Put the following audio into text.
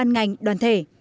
ngành đoàn thể